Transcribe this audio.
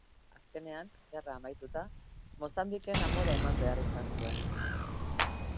Azkenean, gerra amaituta, Mozambiken amore eman behar izan zuen.